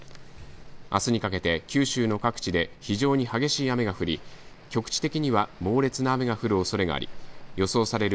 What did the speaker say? あすにかけて九州の各地で非常に激しい雨が降り局地的には猛烈な雨が降るおそれがあり予想される